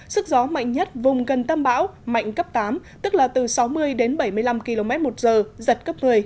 sức gió mạnh nhất vùng gần tâm bão mạnh cấp tám tức là từ sáu mươi đến bảy mươi năm km một giờ giật cấp một mươi